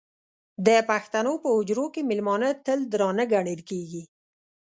د پښتنو په حجرو کې مېلمانه تل درانه ګڼل کېږي.